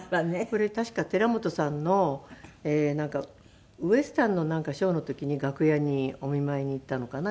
これ確か寺本さんの『ウエスタン』のなんかショーの時に楽屋にお見舞いに行ったのかな。